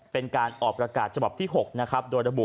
เป็นการออกประกาศฉบับที่๖นะครับ